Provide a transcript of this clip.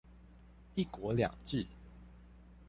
ㄧ 國兩制